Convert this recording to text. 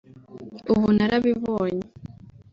ubu narabibonye